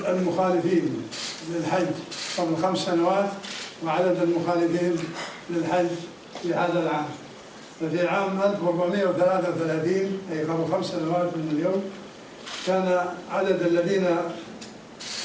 saya ingin mencoba untuk anda mencoba antara jumlah penyelesaian haji dari lima tahun dan jumlah penyelesaian haji dari tahun ini